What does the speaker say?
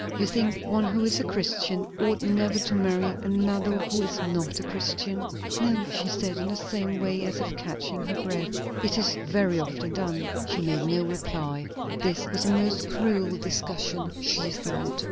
"You think, one who is a Christian ought never to marry another who is not a Christian?" "No!" she said, in the same way, as if catching her breath. "It is very often done." She made no reply. This was a most cruel discussion, she thought.